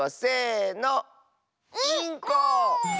インコ！